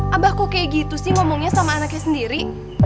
abah kok kayak gitu sih ngomongnya sama anaknya sendiri